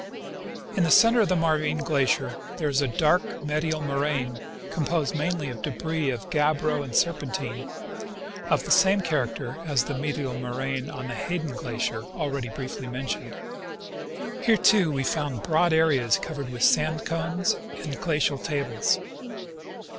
In the center of the Marvine glacier there is a dark medial moraine, composed mainly of debris of gabbro and serpentine, of the same character as the medial moraine on the Hayden glacier, already briefly mentioned. Here, too, we found broad areas covered with sand cones and glacial tables.